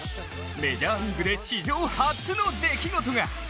メジャーリーグで史上初の出来事が。